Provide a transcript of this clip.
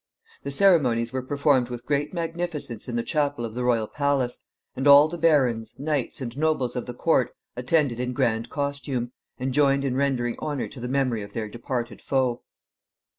The ceremonies were performed with great magnificence in the chapel of the royal palace, and all the barons, knights, and nobles of the court attended in grand costume, and joined in rendering honor to the memory of their departed foe.